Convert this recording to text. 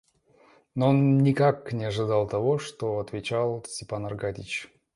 Но он никак не ожидал того, что отвечал Степан Аркадьич.